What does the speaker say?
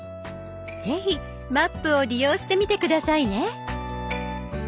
是非「マップ」を利用してみて下さいね。